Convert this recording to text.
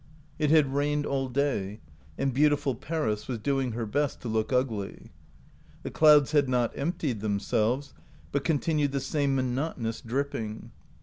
It had rained all day, and beautiful Paris was doing her best to look ugly. The clouds had not emptied themselves, but continued the same monotonous dripping.